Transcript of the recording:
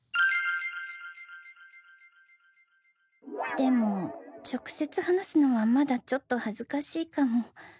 でも直接話すのはまだちょっと恥ずかしいかも